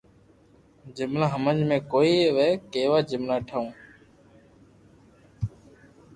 جملا ھمج مي ڪوئي َوي ڪيوا جمللا ٺاو